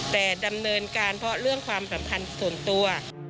แต่ดำเนินการเพราะเรื่องความสัมพันธ์ส่วนตัว